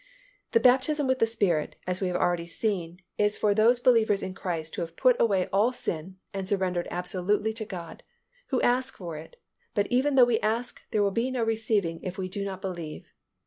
The baptism with the Spirit, as we have already seen, is for those believers in Christ, who have put away all sin and surrendered absolutely to God, who ask for it, but even though we ask there will be no receiving if we do not believe.